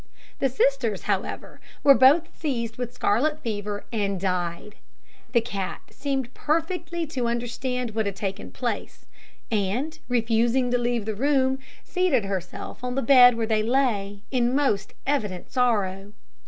The sisters, however, were both seized with scarlet fever, and died. The cat seemed perfectly to understand what had taken place, and, refusing to leave the room, seated herself on the bed where they lay, in most evident sorrow.